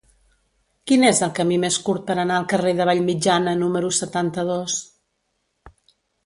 Quin és el camí més curt per anar al carrer de Vallmitjana número setanta-dos?